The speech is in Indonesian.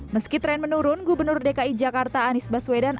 meski tren menurun gubernur dki jakarta anies baswedan